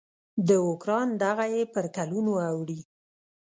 د اوکراین دغه یې پر کلونو اوړي.